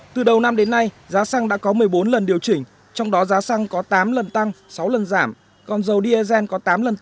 từ đầu năm đến nay giá xăng đã có một mươi bốn lần điều chỉnh trong đó giá xăng có tám lần tăng sáu lần giảm còn dầu diesel có tám lần tăng sáu lần giảm